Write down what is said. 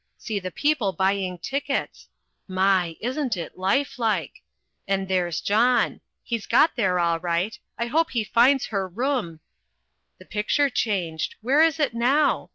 See the people buying tickets! My! isn't it lifelike? and there's John he's got here all right I hope he finds her room The picture changed where is it now?